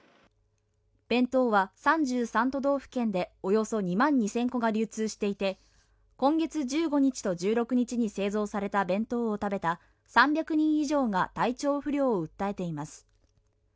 弁当は３３都道府県でおよそ２万２０００個が流通していて今月１５日と１６日に製造された弁当を食べた３００人以上が体調不良を訴えています。